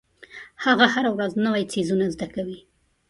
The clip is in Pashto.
هغه هره ورځ نوې څیزونه زده کوي.